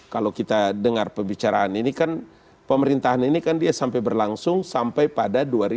kalau kita dengar pembicaraan ini kan pemerintahan ini kan dia sampai berlangsung sampai pada dua ribu dua puluh